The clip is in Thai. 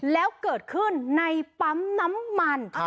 แล้วเกิดขึ้นในปั๊มน้ำมัน